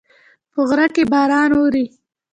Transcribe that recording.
په غره کې باران اوري